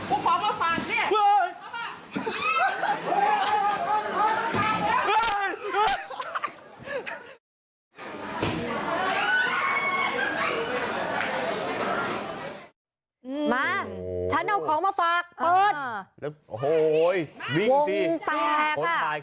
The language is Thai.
โอ้โหวิ่งสิห่วงแตก